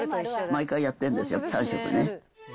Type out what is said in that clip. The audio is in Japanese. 毎回やってんですよ、３食ね。